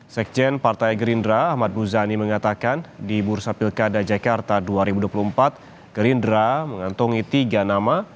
sekjen partai gerindra ahmad muzani mengatakan di bursa pilkada jakarta dua ribu dua puluh empat gerindra mengantongi tiga nama